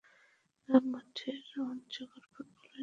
না, মাঠের রোমাঞ্চকর ফুটবলের জন্য বেশি দিন অপেক্ষায় থাকতে হচ্ছে না।